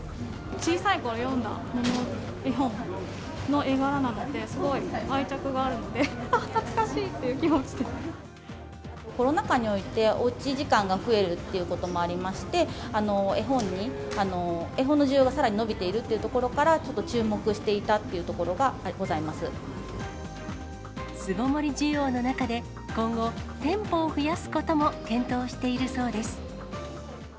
小さいころ読んだもの、絵本の絵柄なので、すごい愛着があるので、あー、懐かしいっていコロナ禍において、おうち時間が増えるっていうこともありまして、絵本に、絵本の需要がさらに伸びているっていうところから、ちょっと注目していた巣ごもり需要の中で、今後、店舗を増やすことも検討しているそうです。